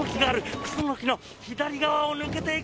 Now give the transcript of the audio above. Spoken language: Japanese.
クスノキの左側を抜けていく。